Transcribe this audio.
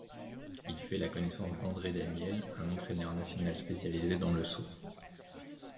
Il fait la connaissance d'André Daniel, un entraîneur national spécialisé dans le saut.